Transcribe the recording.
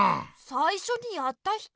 さいしょにやった人？